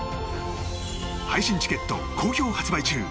配信チケット好評発売中。